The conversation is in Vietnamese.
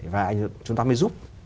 và chúng ta mới giúp